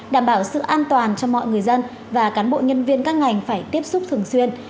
đảm bảo sự an toàn cho mọi người dân và cán bộ nhân viên các ngành phải tiếp xúc thường xuyên